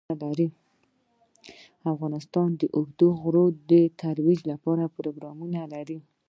افغانستان د اوږده غرونه د ترویج لپاره پروګرامونه لري.